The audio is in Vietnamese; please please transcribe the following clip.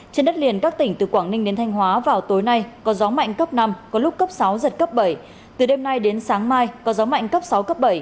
trên đất liền các tỉnh từ quảng ninh đến thanh hóa vào tối nay có gió mạnh cấp năm có lúc cấp sáu giật cấp bảy từ đêm nay đến sáng mai có gió mạnh cấp sáu cấp bảy